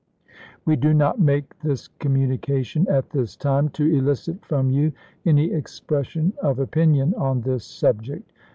.. We do not make this communication at this time to elicit from you any expression of opinion on this subject.